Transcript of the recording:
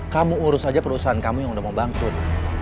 kamu urus aja perusahaan kamu yang udah mau bangkrut